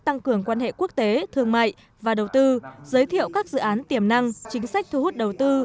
tăng cường quan hệ quốc tế thương mại và đầu tư giới thiệu các dự án tiềm năng chính sách thu hút đầu tư